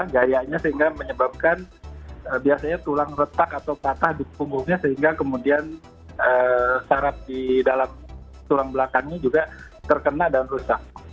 gayanya sehingga menyebabkan biasanya tulang retak atau patah di punggungnya sehingga kemudian syarat di dalam tulang belakangnya juga terkena dan rusak